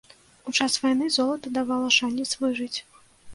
У час вайны золата давала шанец выжыць.